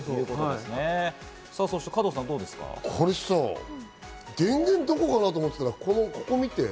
これさ、電源どこかなと思ったら、ここ見て。